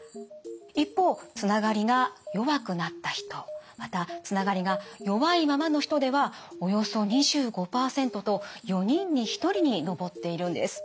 一方つながりが弱くなった人またつながりが弱いままの人ではおよそ２５％と４人に１人に上っているんです。